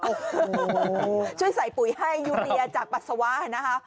โอ้โหช่วยใส่ปุ๋ยให้ยูเรียจากปัสสาวะนะคะ